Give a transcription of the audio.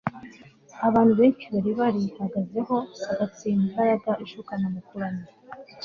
abantu benshi bari barihagazeho bagatsinda imbaraga ishukana mu kuramya